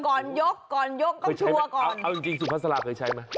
ก่อนยกต้องชัวร์ก่อนเอาจริงสุภาษาลาเคยใช้ไหม